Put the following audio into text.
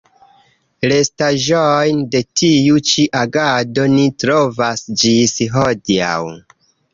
Restaĵojn de tiu ĉi agado ni trovas ĝis hodiaŭ.